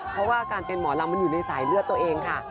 เพราะว่าการเป็นหมอลำมันอยู่ในสายเลือดตัวเองค่ะ